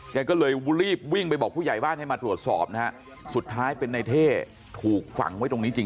แกก็เลยรีบวิ่งไปบอกผู้ใหญ่บ้านให้มาตรวจสอบนะฮะสุดท้ายเป็นในเท่ถูกฝังไว้ตรงนี้จริง